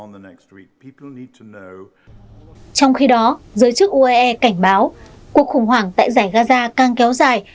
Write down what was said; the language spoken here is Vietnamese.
trong khi đó giới chức uae cảnh báo cuộc khủng hoảng tại giải gaza càng kéo dài